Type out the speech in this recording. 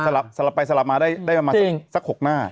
สลับไปสลับมาได้ประมาณสัก๖หน้า